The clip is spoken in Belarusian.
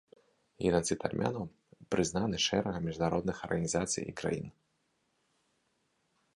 Генацыд армянаў прызнаны шэрагам міжнародных арганізацый і краін.